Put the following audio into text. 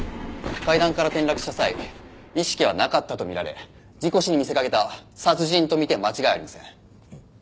階段から転落した際意識はなかったと見られ事故死に見せかけた殺人と見て間違いありません。